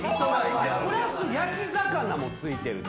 プラス焼き魚もついてる。